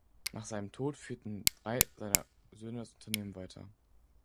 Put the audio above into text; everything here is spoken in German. Nach seinem Tod führten drei seiner Söhne das Unternehmen weiter.